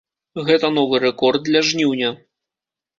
Гэта новы рэкорд для жніўня.